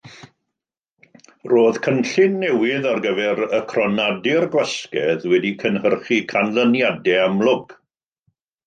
Roedd cynllun newydd ar gyfer y cronadur gwasgedd wedi cynhyrchu canlyniadau amlwg.